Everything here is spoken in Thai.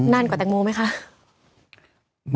นานกว่าแตงโมมาไหมคะ